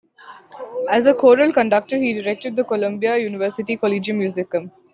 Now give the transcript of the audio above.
As a choral conductor he directed the Columbia University Collegium Musicum.